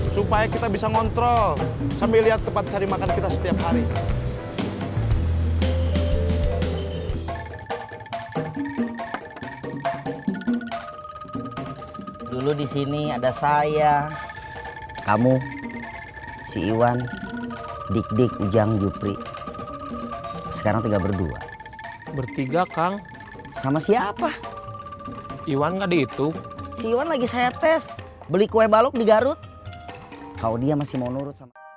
supaya kita bisa ngontrol sambil lihat tempat cari makan kita setiap hari